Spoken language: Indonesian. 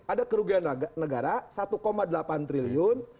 ada kerugian negara satu delapan triliun